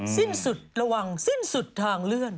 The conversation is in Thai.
สิ้นสุดระวังสิ้นสุดทางเลื่อน